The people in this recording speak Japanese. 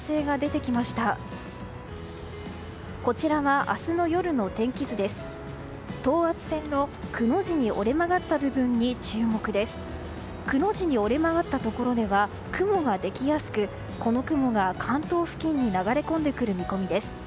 くの字に折れ曲がったところでは雲ができやすくこの雲が関東付近に流れ込んでくる見込みです。